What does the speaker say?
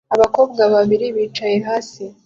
abakobwa babiri bicaye hasi